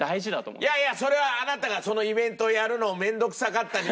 いやいやそれはあなたがイベントをやるのを面倒くさがったりなんだ